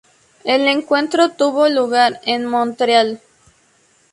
El encuentro tuvo lugar en Montreal.